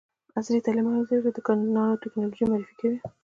عصري تعلیم مهم دی ځکه چې د نانوټیکنالوژي معرفي کوي.